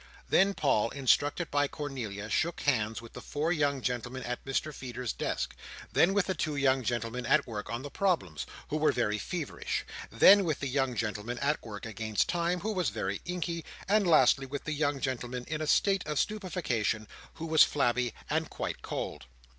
Then Paul, instructed by Cornelia, shook hands with the four young gentlemen at Mr Feeder's desk; then with the two young gentlemen at work on the problems, who were very feverish; then with the young gentleman at work against time, who was very inky; and lastly with the young gentleman in a state of stupefaction, who was flabby and quite cold.